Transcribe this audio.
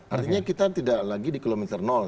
artinya kita tidak lagi di kilometer nol ini